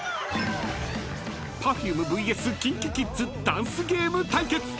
［ＰｅｒｆｕｍｅＶＳＫｉｎＫｉＫｉｄｓダンスゲーム対決！］